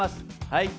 はい！